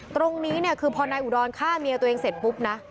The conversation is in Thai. ตรงนี้เนี่ยคือพอนายอุดรฆ่าเมียตัวเองเสร็จปุ๊บนะ